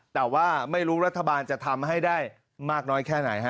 แต่ว่าไม่รู้รัฐบาลจะทำให้ได้มากน้อยแค่ไหนฮะ